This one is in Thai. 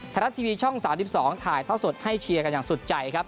ไทยรัฐทีวีช่อง๓๒ถ่ายท่อสดให้เชียร์กันอย่างสุดใจครับ